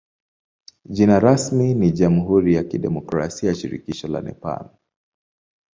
Jina rasmi ni jamhuri ya kidemokrasia ya shirikisho la Nepal.